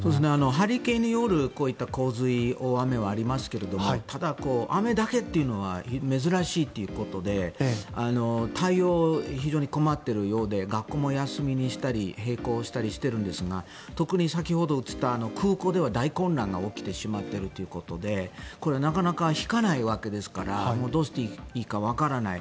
ハリケーンによるこういった洪水、大雨はありますがただ、雨だけというのは珍しいということで対応に非常に困っているようで学校も休みにしたり閉校したりしているんですが特に先ほど映った空港では大混乱が起きてしまっているということでこれ、なかなか引かないわけですからどうしていいかわからない。